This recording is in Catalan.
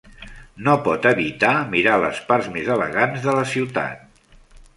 No pot evitar mirar les parts més elegants de la ciutat.